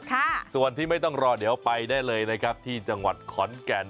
ค่ะส่วนที่ไม่ต้องรอเดี๋ยวไปได้เลยนะครับที่จังหวัดขอนแก่น